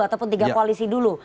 ataupun tiga koalisi dulu